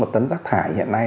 một tấn rác thải hiện nay